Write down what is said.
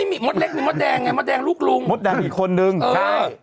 มีมดเล็กมีมดแดงไงมดแดงลูกลุงมดแดงอีกคนนึงเออ